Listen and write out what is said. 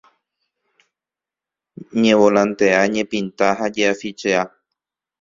Ñevolantea ñepinta ha jeʼafichea.